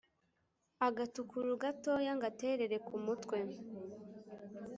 Agatukuru gatoyaNgaterere ku mutwe